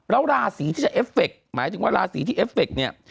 แล้วราศีที่จะเอฟเฟคหมายถึงว่าราศีที่เอฟเฟคเนี่ย